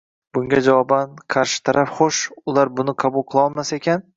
Bunga javoban qarshi taraf «xo‘sh, ular buni qabul qilolmas ekan